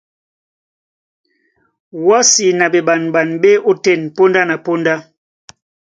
Wɔ́si na ɓeɓamɓan ɓá e ótên póndá na póndá.